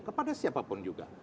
kepada siapapun juga